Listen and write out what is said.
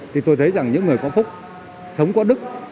thì tôi thấy rằng những người có phúc sống có đức